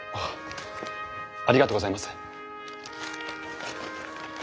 ありがとうございます。